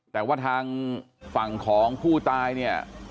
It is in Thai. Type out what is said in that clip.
แต่ว่าทางฝั่งของผู้ตาย